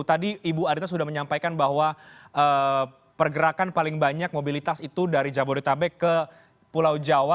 tadi ibu adita sudah menyampaikan bahwa pergerakan paling banyak mobilitas itu dari jabodetabek ke pulau jawa